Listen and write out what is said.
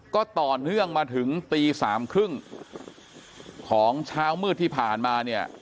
ก็ต่อเนื่องมาถึงตีสามครึ่งของเช้ามืดที่ผ่านมาเนี่ย